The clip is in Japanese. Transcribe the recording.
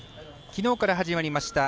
きのうから始まりました